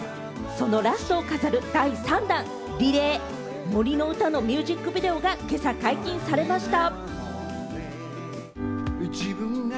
そのラストを飾る第３弾、『Ｒｅｌａｙ杜の詩』のミュージックビデオが、今朝解禁されました。